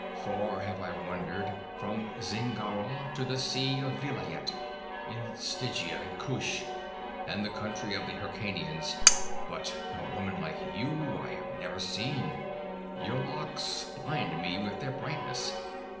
Far have I wandered, from Zingara to the Sea of Vilayet, in Stygia and Kush, and the country of the Hyrkanians; but a woman like you I have never seen. Your locks blind me with their brightness.